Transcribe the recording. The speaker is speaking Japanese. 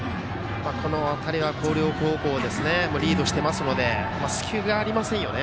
この辺りは広陵高校、リードしてますので隙がありませんよね。